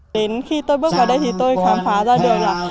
đến khi tôi bước vào đây thì tôi khám phá ra được là